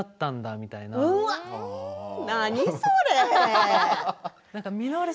何それ？